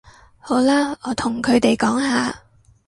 好啦，我同佢哋講吓